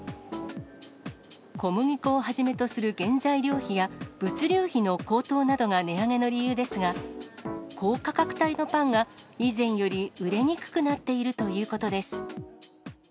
小麦粉をはじめとする原材料費や物流費の高騰などが値上げの理由ですが、高価格帯のパンが、以前より売れにくくなっているということです。